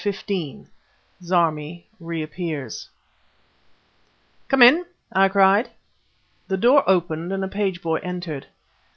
CHAPTER XV ZARMI REAPPEARS "Come in!" I cried. The door opened and a page boy entered.